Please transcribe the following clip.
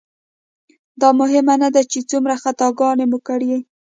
دا مهمه نه ده چې څومره خطاګانې مو کړي.